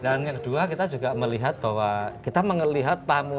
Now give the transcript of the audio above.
dan yang kedua kita juga melihat bahwa kita melihat tamu